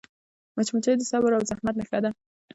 مچمچۍ د صبر او زحمت نښه ده